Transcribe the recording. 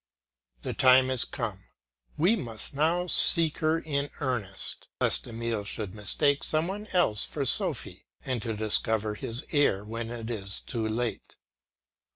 The time is come; we must now seek her in earnest, lest Emile should mistake some one else for Sophy, and only discover his error when it is too late.